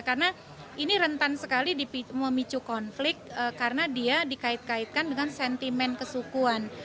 karena ini rentan sekali memicu konflik karena dia dikait kaitkan dengan sentimen kesukuan